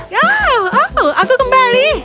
ya aku kembali